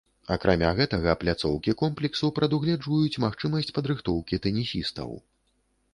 Акрамя гэтага, пляцоўкі комплексу прадугледжваюць магчымасць падрыхтоўкі тэнісістаў.